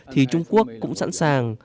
thì trung quốc cũng sẵn sàng